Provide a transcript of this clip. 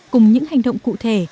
cùng những hành động cụ thể